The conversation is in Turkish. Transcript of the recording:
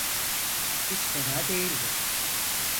Hiç fena değildi.